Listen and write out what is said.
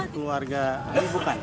keluarga ini bukan